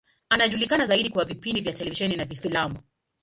Anajulikana zaidi kwa vipindi vya televisheni na filamu.